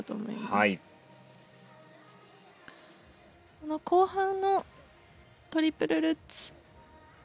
この後半のトリプルルッツ。